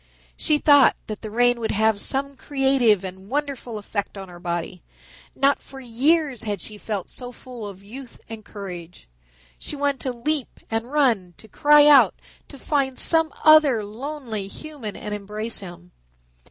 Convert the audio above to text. She thought that the rain would have some creative and wonderful effect on her body. Not for years had she felt so full of youth and courage. She wanted to leap and run, to cry out, to find some other lonely human and embrace him.